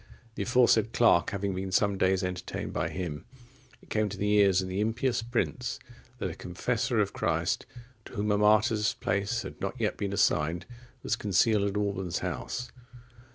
The aforesaid clerk having been some days entertained by him, it came to the ears of the impious prince, that a confessor of Christ, to whom a martyr's place had not yet been assigned, was concealed at Alban's house.